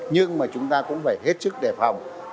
nhưng mà chúng ta cũng phải hết sức để phát triển